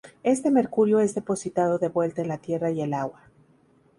Este mercurio es depositado de vuelta en la tierra y el agua.